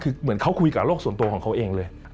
คือเหมือนเขาคุยกับโลกส่วนตัวของเขาเองเลย